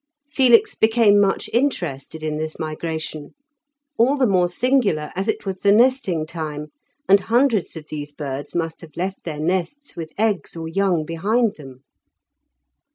Felix became much interested in this migration, all the more singular as it was the nesting time, and hundreds of these birds must have left their nests with eggs or young behind them.